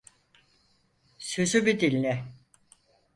Sözümü dinle.